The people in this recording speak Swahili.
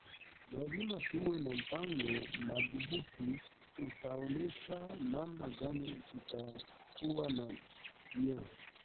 Lazima tuwe na mpango madhubuti utaonesha namna gani tutakuwa na nia